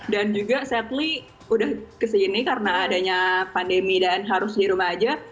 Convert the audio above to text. dan juga sadly udah kesini karena adanya pandemi dan harus di rumah aja